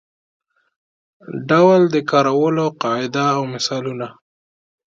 ډول د کارولو قاعده او مثالونه.